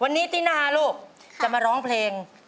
วันนี้ตินาลูกจะมาร้องเพลง